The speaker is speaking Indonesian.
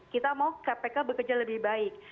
kita mau kpk bekerja lebih baik